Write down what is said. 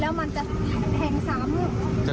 แล้วมันจะแทงซ้ำ